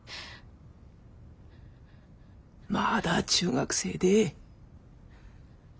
まだ中学生で。